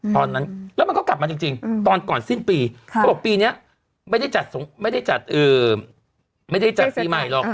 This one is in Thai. ตอนนั้นแล้วมันก็กลับมาจริงตอนก่อนสิ้นปีเขาบอกปีนี้ไม่ได้จัดไม่ได้จัดไม่ได้จัดปีใหม่หรอก